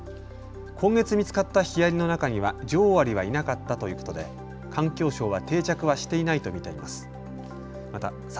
今月見つかったヒアリの中には女王アリはいなかったということで環境省は定着はしていないと見ています。